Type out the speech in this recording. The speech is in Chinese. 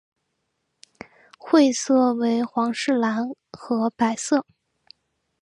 会色为皇室蓝和白色。